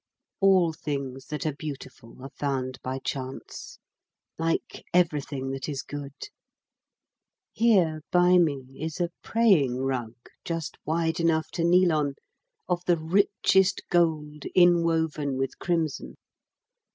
All things that are beautiful are found by chance, like everything that is good. Here by me is a praying rug, just wide enough to kneel on, of the richest gold inwoven with crimson.